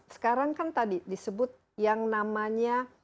sekarang kan tadi disebut yang namanya